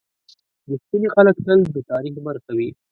• رښتیني خلک تل د تاریخ برخه وي.